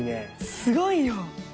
すごいよ！